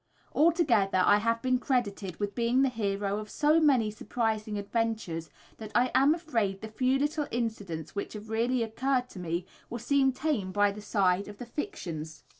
Altogether I have been credited with being the hero of so many surprising adventures that I am afraid the few little incidents which have really occurred to me will seem tame by the side of the fictions.